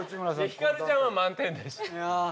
ひかるちゃんは満点でした。